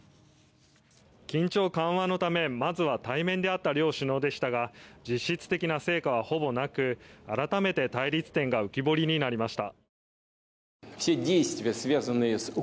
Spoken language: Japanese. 緊張緩和のため、まずは対面で会った両首脳でしたが実質的な成果はほぼなく改めて対立点が浮き彫りになりました。